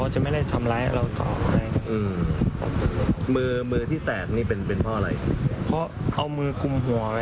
ใช่ครับผมก็เอามือคลุม